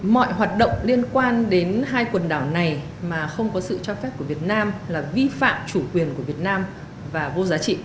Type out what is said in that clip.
mọi hoạt động liên quan đến hai quần đảo này mà không có sự cho phép của việt nam là vi phạm chủ quyền của việt nam và vô giá trị